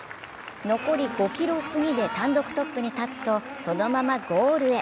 残り５ｋｍ過ぎて単独トップに立つとそのままゴールへ。